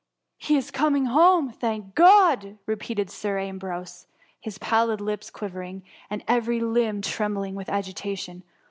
He is coming home, thank God I^ repeated Sir Ambrose, his pallid lips quivering, and every limb trembUng with agitation.